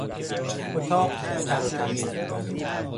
اتاق تر و تمیز بود.